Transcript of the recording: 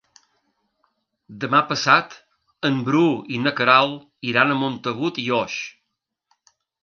Demà passat en Bru i na Queralt iran a Montagut i Oix.